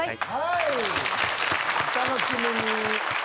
お楽しみに。